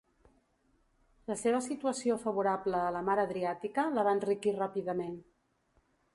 La seva situació favorable a la mar Adriàtica la va enriquir ràpidament.